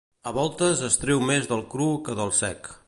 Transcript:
A voltes es treu més del cru que del sec.